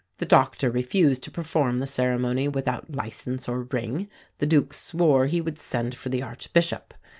The doctor refused to perform the ceremony without licence or ring the Duke swore he would send for the Archbishop.